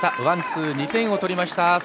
ワン、ツー２点を取りました。